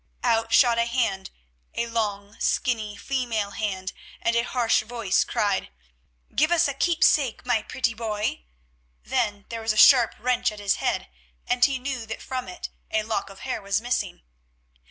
Out shot a hand, a long, skinny, female hand, and a harsh voice cried, "Give us a keepsake, my pretty boy!" Then there was a sharp wrench at his head, and he knew that from it a lock of hair was missing.